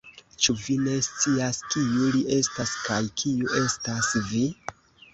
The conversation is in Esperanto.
Ĉu vi ne scias, kiu li estas, kaj kiu estas vi?